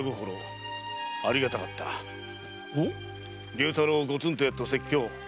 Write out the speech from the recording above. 竜太郎をゴツンとやった説教